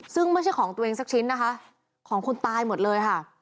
ซึ่งไม่ใช่ของตัวเองสักชิ้นนะคะของคนตายหมดเลยค่ะ